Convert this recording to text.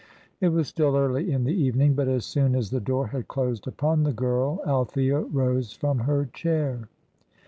It was still early in the evening; but as soon as the door had closed upon the girl Althea rose from her chair.